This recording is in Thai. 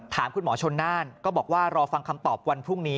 ถามคุณหมอชนหน้ารอฟังคำตอบวันพรุ่งนี้